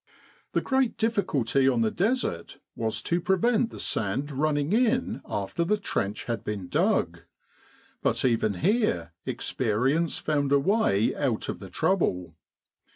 The great difficulty on the Desert was to prevent the sand running in after the trench had been dug. But even here experience found a way out of the trouble.